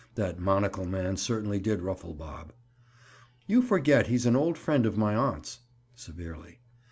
That monocle man certainly did ruffle Bob. "You forget he's an old friend of my aunt's." Severely.